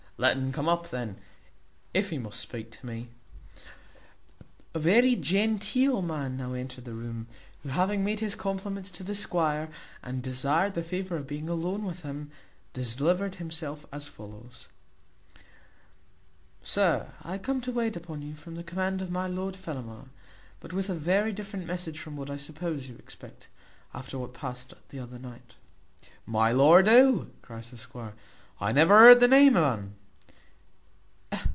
Let un come up then, if he must speak to me." A very genteel man now entered the room; who, having made his compliments to the squire, and desired the favour of being alone with him, delivered himself as follows: "Sir, I come to wait upon you by the command of my Lord Fellamar; but with a very different message from what I suppose you expect, after what past the other night." "My lord who?" cries the squire; "I never heard the name o'un."